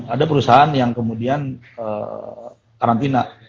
ada perusahaan yang kemudian karantina